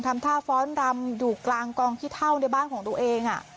ทำท่าฟ้อนรำอยู่กลางกองขี้เท่าในบ้านของตัวเอง